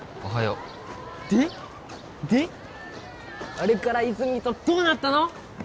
あれから泉とどうなったの？